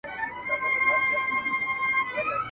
سونډ راشنه سول دهقان و اوبدل تارونه ..